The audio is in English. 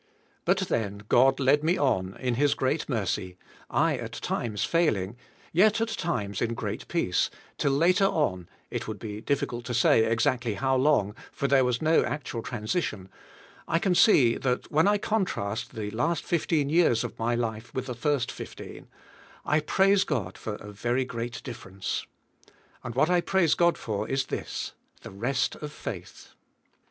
But then God led me on, in His great mercy, I at times failing , yet at times in g reat peace, till later on, — it would be difficult to say, exactly how long , for there was no actual transition — I can see that when I contrast the last fifteen years of my life with the first fifteen, I praise God for a very great difference. And what I praise God for is this: the rest of faith.